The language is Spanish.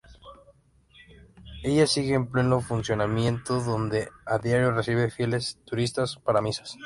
Ella sigue en pleno funcionamiento donde a diario recibe fieles y turistas para misas.